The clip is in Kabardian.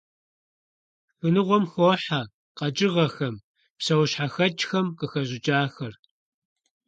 Шхыныгъуэм хохьэ къэкӀыгъэхэм, псэущхьэхэкӀхэм къыхэщӀыкӀахэр.